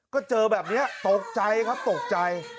ก็เจอแบบนี้ตกใจครับตกใจ